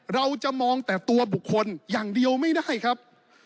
เราจะมองแต่ตัวบุคคลอย่างเดียวไม่ได้ครับ